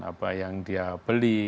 apa yang dia beli